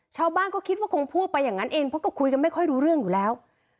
ชาวบ้านก็คิดว่าคงพูดไปอย่างนั้นเองเพราะก็คุยกันไม่ค่อยรู้เรื่องอยู่แล้ว